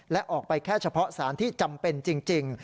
และออกไปแค่เฉพาะสารที่จำเป็นจริง